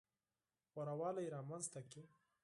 غوره والی رامنځته کړي.